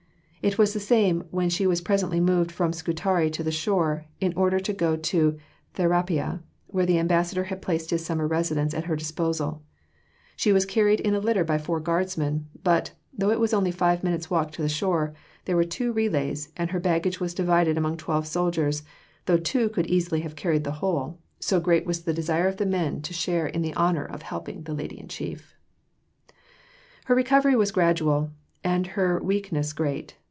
" It was the same when she was presently moved from Scutari to the shore in order to go to Therapia, where the Ambassador had placed his summer residence at her disposal. She was carried in a litter by four guardsmen, but, though it was only five minutes' walk to the shore, there were two relays, and her baggage was divided among twelve soldiers, though two could easily have carried the whole, so great was the desire of the men to share in the honour of helping the Lady in Chief. Blackwood, p. 115. Memoirs of Lady Eastlake, vol. ii. p. 44. Her recovery was gradual, and her weakness great.